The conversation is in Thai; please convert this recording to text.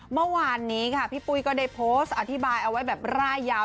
เมื่อวานนี้ค่ะพี่ปุ้ยก็ได้โพสต์อธิบายเอาไว้แบบร่ายยาว